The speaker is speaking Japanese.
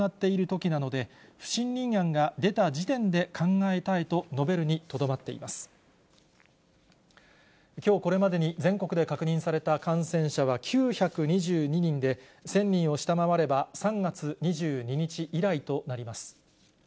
きょうこれまでに全国で確認された感染者は９２２人で、１０００人を下回れば、３月２２日以来となります。